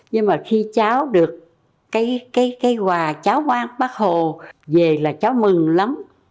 nhưng mà khi cháu được cái quà cháu hoan bác hồ về là cháu mừng lắm